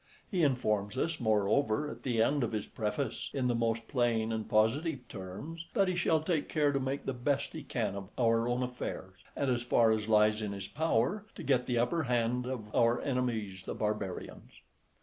He informs us, moreover, at the end of his preface, in the most plain and positive terms, that he shall take care to make the best he can of our own affairs, and, as far as lies in his power, to get the upper hand of our enemies the barbarians.